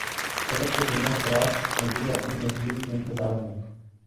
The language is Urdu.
سڑک کے دونوں اطراف مزدور اپنی مزدوری کے انتظار میں